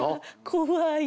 怖い。